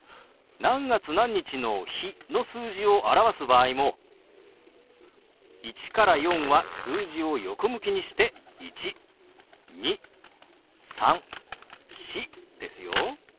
何月何日の「日」の数字を表す場合も１から４は数字を横向きにして「１」「２」「３」「４」ですよ。